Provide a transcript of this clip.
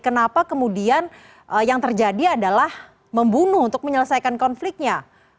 kenapa kemudian yang terjadi adalah membunuh untuk menyelesaikan konfliknya